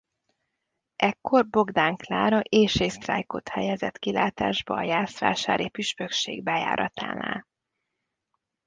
Ekkor Bogdán Klára éhségsztrájkot helyezett kilátásba a jászvásári püspökség bejáratánál.